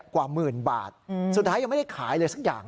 กว่าหมื่นบาทสุดท้ายยังไม่ได้ขายเลยสักอย่าง